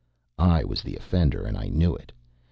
I was the offender, and I knew it.